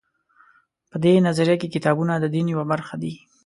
په دې نظریه کې کتابونه د دین یوه برخه دي.